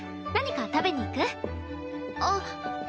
何か食べに行く？あっ。